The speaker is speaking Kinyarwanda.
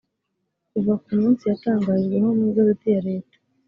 kuva ku munsi yatangarijweho mu igazeti ya leta